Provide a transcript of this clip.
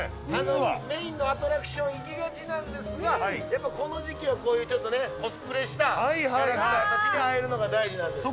メインのアトラクション行きがちなんですが、やっぱりこの時期はこういうちょっとね、コスプレしたキャラクターたちに会えるのが大事なんです。